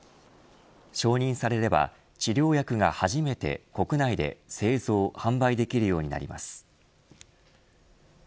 承認されれば治療薬が初めて、国内で製造・販売できるようになります。